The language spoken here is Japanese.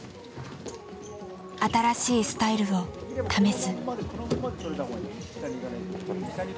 新しいスタイルを試す。